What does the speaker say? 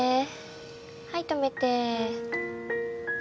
はい止めて。